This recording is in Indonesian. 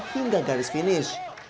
dan garis finish